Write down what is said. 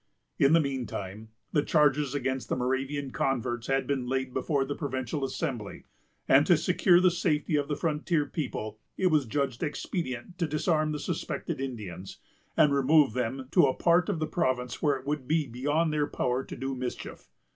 In the mean time, the charges against the Moravian converts had been laid before the provincial Assembly; and, to secure the safety of the frontier people, it was judged expedient to disarm the suspected Indians, and remove them to a part of the province where it would be beyond their power to do mischief.